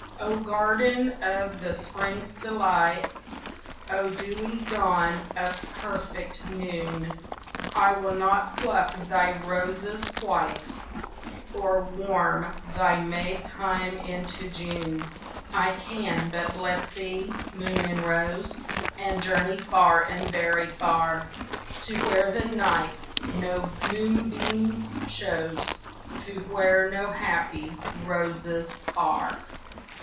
Oh, garden of the Spring's delight! Oh, dewy dawn of perfect noon! I will not pluck thy roses white Or warm thy May time into June. I can but bless thee, moon and rose, And journey far and very far To where the night no moonbeam shows, To where no happy roses are!